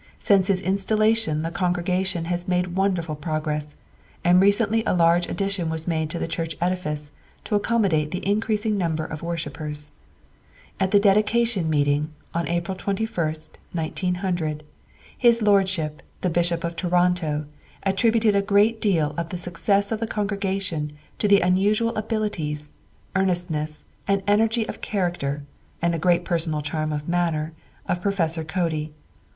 Since his installation the congregation has made wonderful progress, and recently a large addition was made to the church edifice to accommodate the increasing numbers of worshippers. At the dedication meeting, on April 21st, 1900, his Lordship the Bishop of Toronto attributed a great deal of the success of the congregation to the unusual abilities, earnestness and energy of character and the great personal charm of manner of Prof. Cody.